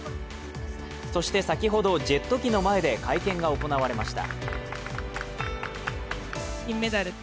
そして先ほど、ジェット機の前で会見が行われました。